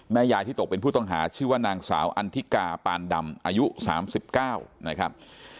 ยายที่ตกเป็นผู้ต้องหาชื่อว่านางสาวอันทิกาปานดำอายุ๓๙นะครับ